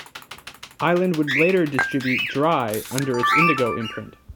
Island would later distribute "Dry" under its Indigo imprint.